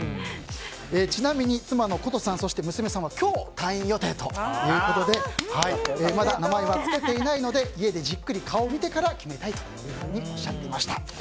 ちなみに、妻、そして娘さんは今日、退院予定ということでまだ名前は付けていないので家でじっくり顔を見てから決めたいとおっしゃっていました。